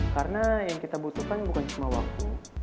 karena yang kita butuhkan bukan cuma waktu